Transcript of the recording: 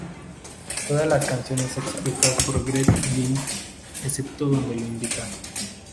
Todas las canciones compuestas por Greg Ginn, excepto donde lo indica.